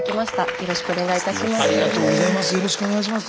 よろしくお願いします。